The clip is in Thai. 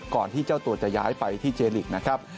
ที่เจ้าตัวจะย้ายไปที่เจลิกนะครับ